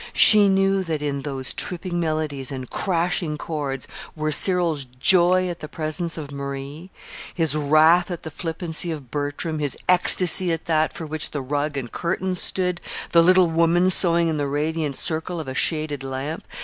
She knew that in those tripping melodies and crashing chords were Cyril's joy at the presence of Marie, his wrath at the flippancy of Bertram, his ecstasy at that for which the rug and curtains stood the little woman sewing in the radiant circle of a shaded lamp.